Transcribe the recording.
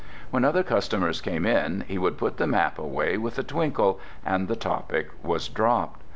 When other customers came in, he would put the map away with a twinkle, and the topic was dropped.